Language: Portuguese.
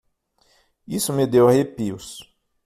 Isso me deu arrepios.